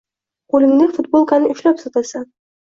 Qoʻlingda futbolkani ushlab sotasan.